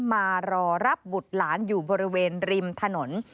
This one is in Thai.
มารอรับบุตรหลานอยู่บริเวณริมถนน